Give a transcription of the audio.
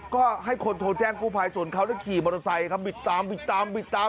ก็ให้คนโทรแจ้งกู้ภัยส่วนเขาได้ขี่มอเตอร์ไซค์ครับ